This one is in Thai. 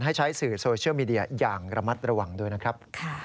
ให้ใช้สื่อโซเชียลมีเดียอย่างระมัดระวังด้วยนะครับ